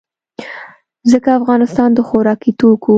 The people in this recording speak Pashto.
ځکه افغانستان د خوراکي توکو